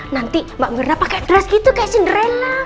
nanti mbak mirna pake dress gitu kayak cinderella